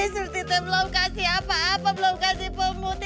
surut teteh belum kasih apa apa belum kasih pemuti